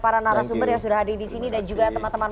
para narasumber yang sudah hadir di sini dan juga teman teman